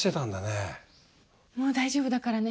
もう大丈夫だからね。